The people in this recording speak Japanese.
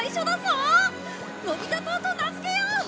のび太島と名付けよう！